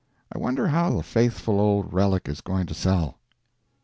I wonder how the faithful old relic is going to sell?